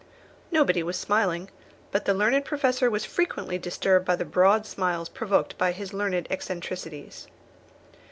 Nobody was smiling; but the learned Professor was frequently disturbed by the broad smiles provoked by his learned eccentricities.